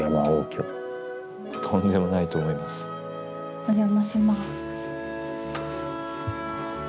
お邪魔します。